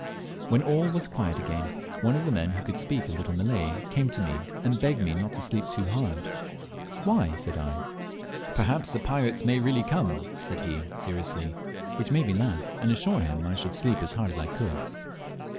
When all was quiet again, one of the men, who could speak a little Malay, came to me and begged me not to sleep too hard. "Why?" said I. "Perhaps the pirates may really come," said he very seriously, which made me laugh and assure him I should sleep as hard as I could.